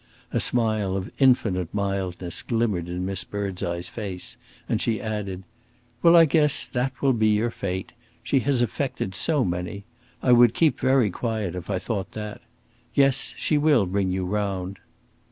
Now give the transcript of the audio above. A smile of infinite mildness glimmered in Miss Birdseye's face, and she added: "Well, I guess that will be your fate. She has affected so many. I would keep very quiet if I thought that. Yes, she will bring you round."